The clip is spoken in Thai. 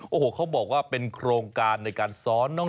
โอ้โหเขาบอกว่าเป็นโครงการในการซ้อนน้อง